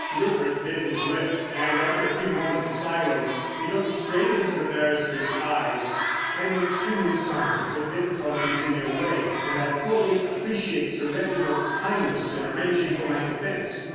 Rupert bit his lip, and, after a few moments' silence, he looked straight into the barrister's eyes: "I am extremely sorry to put difficulties in your way, and I fully appreciate Sir Reginald's kindness in arranging for my defence.